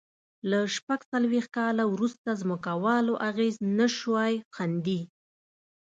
له شپږ څلوېښت کال وروسته ځمکوالو اغېز نه شوای ښندي.